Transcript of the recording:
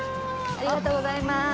ありがとうございます。